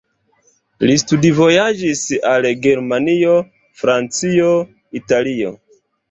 Li studvojaĝis al Germanio, Francio, Italio.